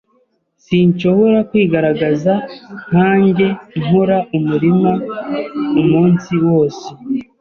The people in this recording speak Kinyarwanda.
Sinshobora kwigaragaza nkanjye nkora umurima umunsi wose.